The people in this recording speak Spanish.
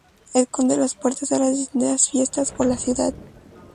Esconde las puertas a las distintas fiestas por la ciudad.